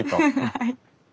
はい。